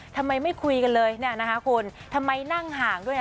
ทำไมไม่คุยกันเลยเนี่ยนะคะคุณทำไมนั่งห่างด้วย